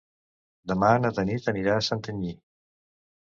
Demà na Tanit anirà a Santanyí.